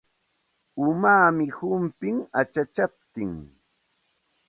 Umaami humpin achachaptin.